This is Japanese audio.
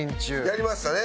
やりましたね。